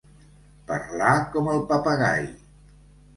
Parlar com el papagai.